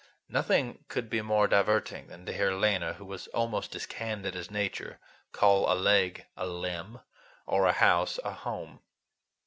Nothing could be more diverting than to hear Lena, who was almost as candid as Nature, call a leg a "limb" or a house a "home."